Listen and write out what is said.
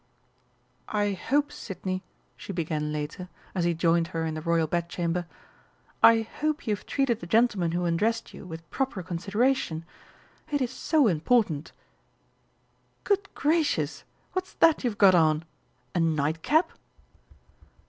"I hope, Sidney," she began later, as he joined her in the Royal Bedchamber, "I hope you have treated the gentlemen who undressed you with proper consideration. It is so important.... Good gracious! What's that you've got on? A night cap?"